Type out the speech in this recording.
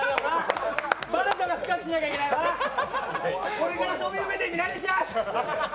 これからそういう目で見られちゃう！